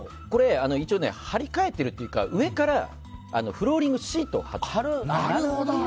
一応貼り替えてるというか上からフローリングシートを張る。